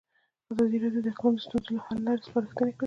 ازادي راډیو د اقلیم د ستونزو حل لارې سپارښتنې کړي.